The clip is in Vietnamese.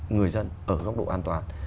người dân ở góc độ an toàn